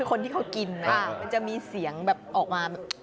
คนที่เขากินนะจะมีเสียงออกมา